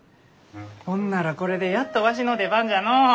ほんならこれでやっとわしの出番じゃのう。